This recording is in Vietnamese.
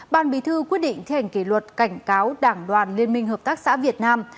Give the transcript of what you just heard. ban bí thư quyết định thi hành kỷ luật cảnh cáo đảng đoàn liên minh hợp tác xã việt nam